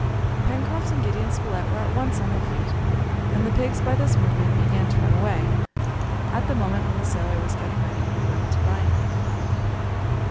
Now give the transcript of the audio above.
Pencroft and Gideon Spilett were at once on their feet, and the pigs by this movement began to run away, at the moment when the sailor was getting ready the rope to bind them.